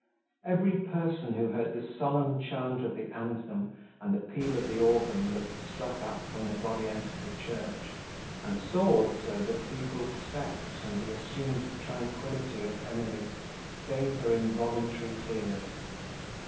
Every person, who heard the solemn chant of the anthem, and the peal of the organ, that struck up, when the body entered the church, and saw also the feeble steps, and the assumed tranquillity of Emily, gave her involuntary tears.